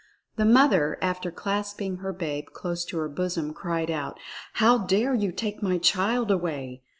The mother, after clasping her babe close to her bosom, cried out, "How dare you take my child away?"